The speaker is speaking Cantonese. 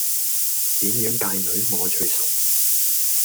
點樣界女我最熟